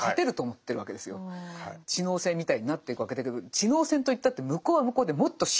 知能戦みたいになっていくわけだけど知能戦といったって向こうは向こうでもっとシンプルな構造なわけですから。